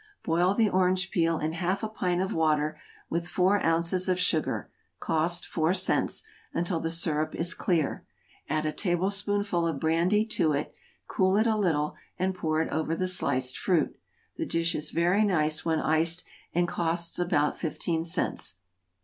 Boil the orange peel in half a pint of water, with four ounces of sugar, (cost four cents,) until the syrup is clear; add a tablespoonful of brandy to it, cool it a little, and pour it over the sliced fruit. The dish is very nice when iced, and costs about fifteen cents.